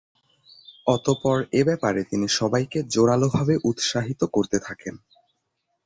অতঃপর এ ব্যাপারে তিনি সবাইকে জোরালোভাবে উৎসাহিত করতে থাকেন।